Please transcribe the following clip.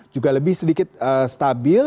juga lebih sedikit stabil